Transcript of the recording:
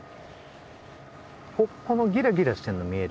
このギラギラしてるの見える？